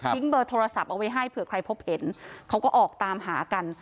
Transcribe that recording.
เบอร์โทรศัพท์เอาไว้ให้เผื่อใครพบเห็นเขาก็ออกตามหากัน